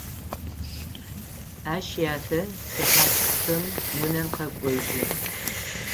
Ащ ятэ сыхьат хым унэм къэкӏожьы.